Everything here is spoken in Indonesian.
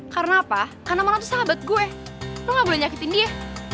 karena apa karena mona tuh sahabat gue lo gak boleh nyakitin dia